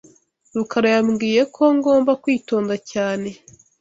Rukara yambwiye ko ngomba kwitonda cyane.